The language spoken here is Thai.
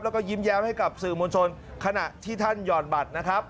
แล้วก็ยิ้มแย้มให้กับสื่อมวลชนขณะที่ท่านหยอดบัตรนะครับ